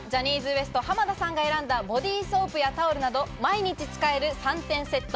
濱田さんが選んだボディーソープやタオルなど、毎日使える３点セット。